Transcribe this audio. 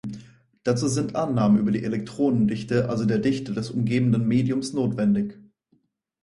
Dazu sind Annahmen über die Elektronendichte, also der Dichte des umgebenden Mediums, notwendig.